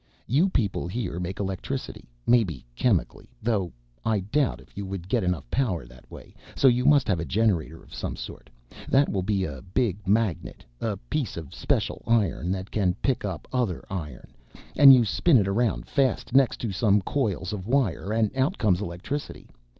You people here make electricity, maybe chemically, though I doubt if you would get enough power that way, so you must have a generator of some sort. That will be a big magnet, a piece of special iron that can pick up other iron, and you spin it around fast next to some coils of wire and out comes electricity.